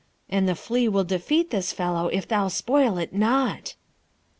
and the flea will defeat this fellow if thou spoil it not.'